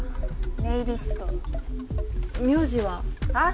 ネイリスト名字は？はあ？